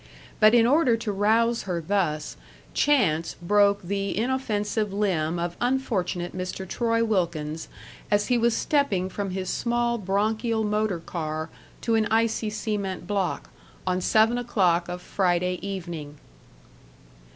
But in order to rouse her thus, Chance broke the inoffensive limb of unfortunate Mr. Troy Wilkins as he was stepping from his small bronchial motor car to an icy cement block, on seven o'clock of Friday evening.